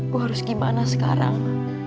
gue harus gimana sekarang